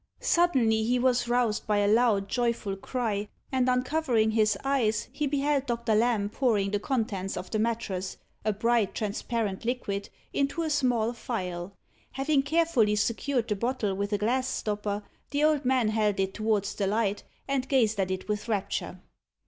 Suddenly, he was roused by a loud joyful cry, and, uncovering his eyes, he beheld Doctor Lamb pouring the contents of the matrass a bright, transparent liquid into a small phial. Having carefully secured the bottle with a glass stopper, the old man held it towards the light, and gazed at it with rapture.